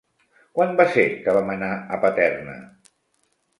Quan va ser que vam anar a Paterna?